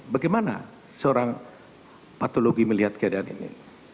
bagaimana seorang patologi melihat keadaan ini